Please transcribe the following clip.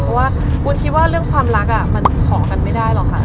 เพราะว่าวุ้นคิดว่าเรื่องความรักมันขอกันไม่ได้หรอกค่ะ